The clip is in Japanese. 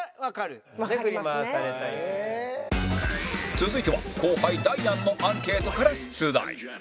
続いては後輩ダイアンのアンケートから出題